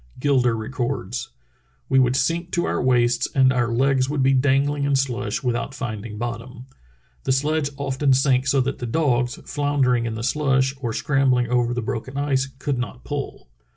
Gilder re cords: "We would sink to our waists and our legs would be dangling in slush without finding bottom. The sledge often sank so that the dogs, floundering in the slush or scrambling over the broken ice, could not pull.